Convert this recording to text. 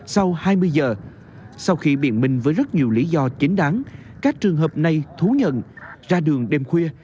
sau hai mươi giờ sau khi biện minh với rất nhiều lý do chính đáng các trường hợp này thú nhận ra đường đêm khuya